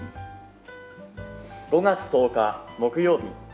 「５月１０日木曜日」